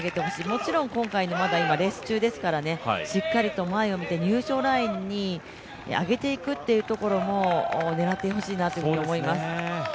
もちろん今回はまだレース中ですからねしっかりと前を向いて入賞ラインに上げていくというところも狙ってほしいなというふうに思います。